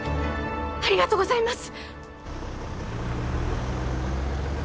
ありがとうございます！